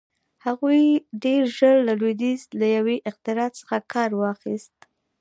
هغوی ډېر ژر له لوېدیځ له یوې اختراع څخه کار واخیست.